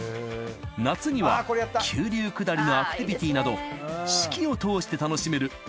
夏には急流下りのアクティビティなど四季を通して楽しめる